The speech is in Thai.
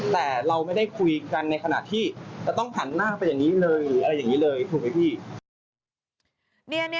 แต่เราไม่ได้คุยกันในขณะที่จะต้องหันหน้าไปอย่างนี้เลยหรืออะไรอย่างนี้เลยถูกไหมพี่